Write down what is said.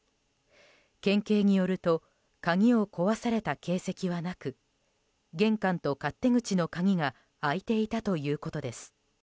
県警によると鍵を壊された形跡はなく玄関と勝手口の鍵が開いていたということです。